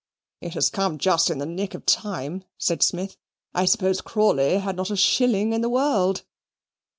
"It is come just in the nick of time," said Smith. "I suppose Crawley had not a shilling in the world."